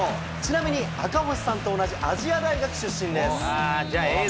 ちなみに、赤星さんと同じ亜細亜大学出身です。